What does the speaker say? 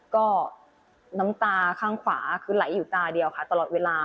ก็น้ำตาข้างขวาคือไหลอยู่ตาเดียวค่ะตลอดเวลา